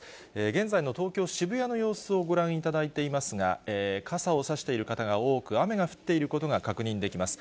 現在の東京・渋谷の様子をご覧いただいていますが、傘を差している方が多く、雨が降っていることが確認できます。